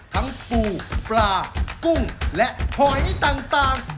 ปูปลากุ้งและหอยต่าง